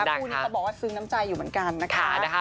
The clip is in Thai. คู่นี้เขาบอกว่าซึ้งน้ำใจอยู่เหมือนกันนะคะ